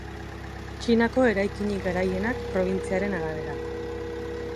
Txinako eraikinik garaienak probintziaren arabera.